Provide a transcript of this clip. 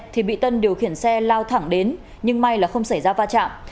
thì bị tân điều khiển xe lao thẳng đến nhưng may là không xảy ra va chạm